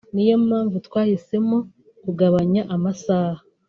niyo mpamvu twahisemo kugabanya amasaha